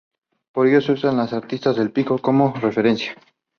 Por ello se usan las aristas del Pico como referencia.